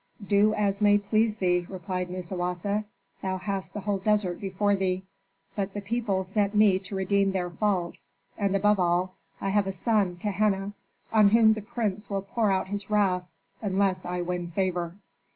"Do as may please thee," replied Musawasa, "thou hast the whole desert before thee. But the people sent me to redeem their faults, and above all I have a son, Tehenna, on whom the prince will pour out his wrath unless I win favor."